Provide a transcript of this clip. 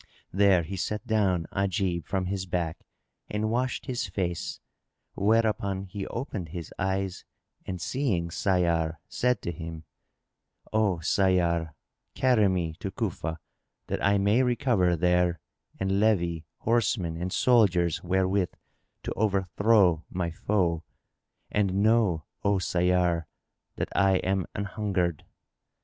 There he set down Ajib from his back and washed his face, whereupon he opened his eyes and seeing Sayyar, said to him, "O Sayyar, carry me to Cufa that I may recover there and levy horsemen and soldiers wherewith to overthrow my foe: and know, O Sayyar, that I am anhungered."